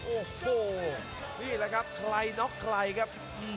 โอ้โหนี่แหละครับใครน็อกใครครับ